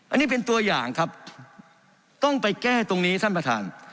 อันนี้เป็นตัวอย่างครับต้องไปแก้ตรงนี้ท่านประธาน